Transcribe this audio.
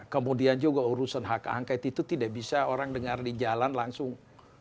kemudian juga urusan hak angket itu tidak bisa orang dengar di jalan langsung